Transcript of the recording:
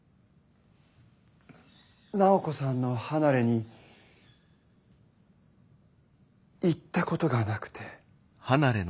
楠宝子さんの離れに行ったことがなくて。